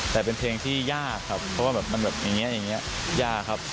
แต่เป็นเพลงที่ยากครับเพราะว่าแบบมันแบบอย่างนี้อย่างนี้ยากครับ